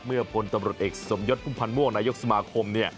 เมื่อบนตำรวจเอกสมยศภูมิพันธ์ม่วงนายกสมาคม